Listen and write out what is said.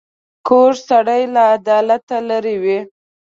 کوږ سړی له عدالت لیرې وي